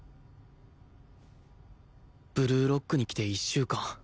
ブルーロックに来て１週間